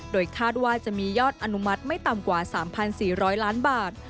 โดยคาดว่าจะมียอดอนุมัติไม่ต่ำกว่า๓๔๐๐ล้านบาท